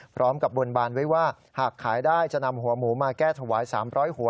บนบานไว้ว่าหากขายได้จะนำหัวหมูมาแก้ถวาย๓๐๐หัว